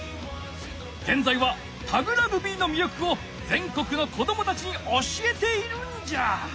げんざいはタグラグビーのみりょくをぜんこくの子どもたちに教えているんじゃ。